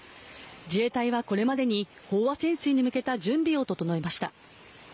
自衛隊はこれまでに飽和潜水に向けた準備を整えました。